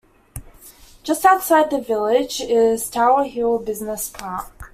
Just outside the village is Tower Hill Business Park.